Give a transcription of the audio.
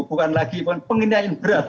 bukan lagi penyanyian berat